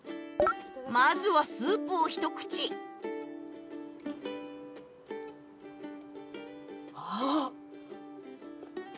まずはスープをひと口あっ！